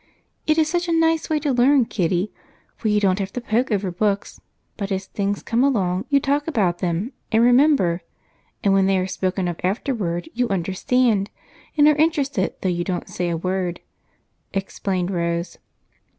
It is such a nice way to learn, Kitty, for you don't have to pore over books, but as things come along you talk about them and remember, and when they are spoken of afterward you understand and are interested, though you don't say a word," explained Rose.